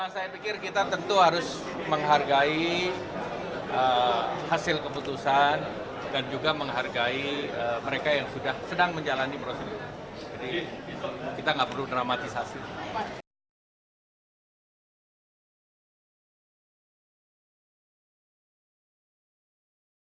saya pikir kita tentu harus menghargai hasil keputusan dan juga menghargai mereka yang sudah sedang menjalani prosedur